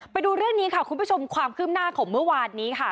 ไปดูเรื่องนี้ค่ะคุณผู้ชมความคืบหน้าของเมื่อวานนี้ค่ะ